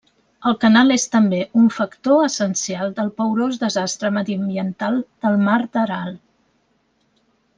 El canal és també un factor essencial del paorós desastre mediambiental del Mar d'Aral.